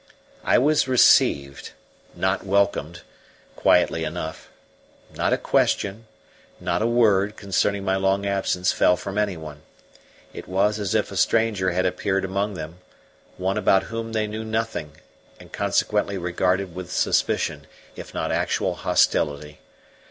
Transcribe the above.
I was received not welcomed quietly enough; not a question, not a word, concerning my long absence fell from anyone; it was as if a stranger had appeared among them, one about whom they knew nothing and consequently regarded with suspicion, if not actual hostility.